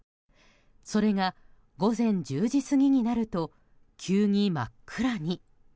それが、午前１０時過ぎになると急に真っ暗に。